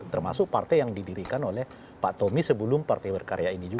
termasuk partai yang didirikan oleh pak tommy sebelum partai berkarya ini juga